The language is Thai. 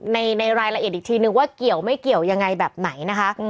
ในรายละเอียดอีกทีนึงว่าเกี่ยวไม่เกี่ยวยังไงแบบไหนนะคะ